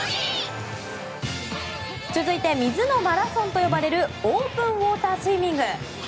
続いて、水のマラソンと呼ばれるオープンウォータースイミング。